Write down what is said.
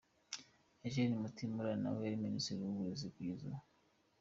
Eugene Mutimura ari nawe Minisitiri w’ uburezi kugeza ubu.